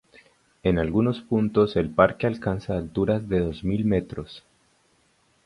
En algunos puntos el parque alcanza alturas de dos mil metros.